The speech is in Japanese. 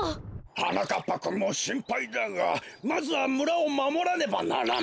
はなかっぱくんもしんぱいだがまずはむらをまもらねばならん。